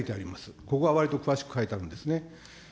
ここは割と詳しく書いてあるんですね。